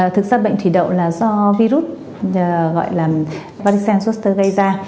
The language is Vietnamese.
thực ra bệnh thủy đậu là do virus gọi là varicella zoster gây ra